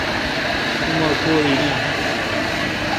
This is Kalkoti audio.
اوما کو این اؘ۔